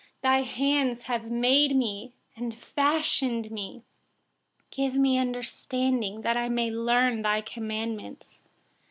YUD 73Your hands have made me and formed me. Give me understanding, that I may learn your commandments.